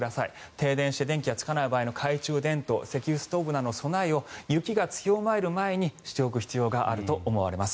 停電して電気がつかない場合の懐中電灯石油ストーブなどの備えを雪が強まる前にしておく必要があると思われます。